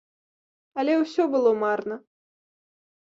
Але ўсё было марна.